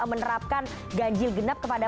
menerapkan ganjil genap kepada